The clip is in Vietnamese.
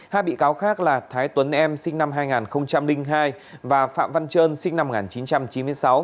hai bị cáo khác là thái tuấn em sinh năm hai nghìn hai và phạm văn trơn sinh năm một nghìn chín trăm chín mươi sáu